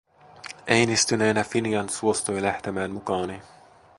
Äimistyneenä Finian suostui lähtemään mukaani.